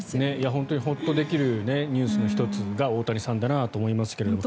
本当にホッとできるニュースの１つが大谷さんだなと思いますけれども。